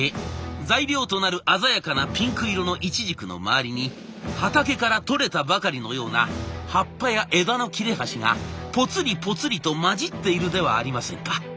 材料となる鮮やかなピンク色のいちじくの周りに畑からとれたばかりのような葉っぱや枝の切れ端がポツリポツリと交じっているではありませんか。